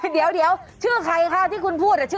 เดี๋ยวชื่อใครคะที่คุณพูดชื่อ